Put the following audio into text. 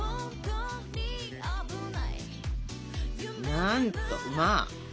なんとまあ！